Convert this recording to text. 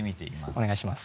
お願いします。